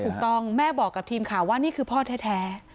แม่บอกกับทีมข่าวว่านี่คือพ่อแท้